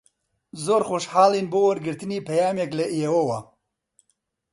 زۆر خۆشحاڵین بە وەرگرتنی پەیامێک لە ئێوەوە.